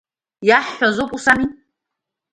Иаҳҳәаз ауп ус амуи?